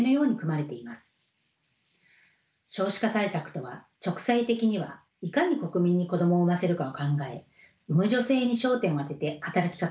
少子化対策とは直截的にはいかに国民に子どもを産ませるかを考え産む女性に焦点を当てて働きかける政策です。